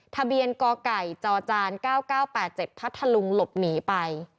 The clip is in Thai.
ทะเบียนกไก่จจ๙๙๘๗พัทธลุงหลบหนีไป